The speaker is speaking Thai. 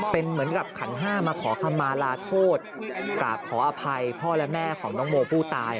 เป็นเหมือนกับขันห้ามาขอคำมาลาโทษกราบขออภัยพ่อและแม่ของน้องโมผู้ตาย